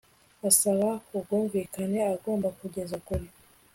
Usaba ubwumvikane agomba kugeza kure